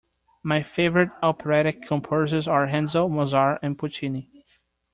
My favourite operatic composers are Handel, Mozart and Puccini